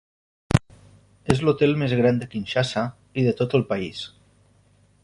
És l'hotel més gran del Kinshasa i del tot el país.